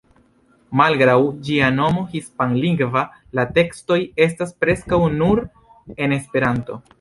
Malgraŭ ĝia nomo hispanlingva, la tekstoj estas preskaŭ nur en Esperanto.